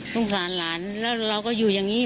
สงสารหลานแล้วเราก็อยู่อย่างนี้